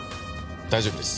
大丈夫です。